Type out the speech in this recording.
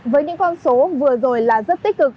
với những con số vừa rồi là rất tích cực